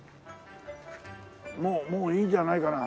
もうもういいんじゃないかな？